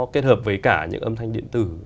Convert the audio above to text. kết hợp với cả những âm thanh điện tử